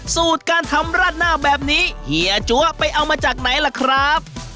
สูตรการทำราดหน้าแบบนี้เฮียจั๊วไปเอามาจากไหนล่ะครับ